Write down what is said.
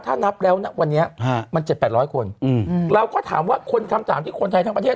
ถ้านับแล้วนะวันนี้ฮะมันเจ็ดแปดร้อยคนอืมเราก็ถามว่าคนคำตามที่คนไทยทั้งประเทศ